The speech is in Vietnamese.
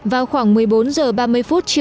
vào khoảng một mươi bốn h ba mươi phút